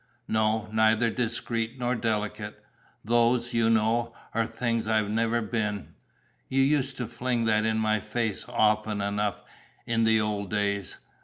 "No, neither discreet nor delicate. Those, you know, are things I've never been: you used to fling that in my face often enough, in the old days.